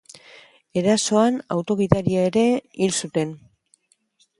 Erasoan auto gidaria ere hil zuten.